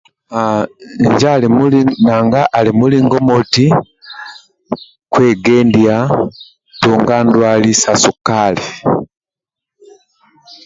Haaa injo ali mulingo nanga ali mulingo moti kwegendia tunga ndwali sa sukali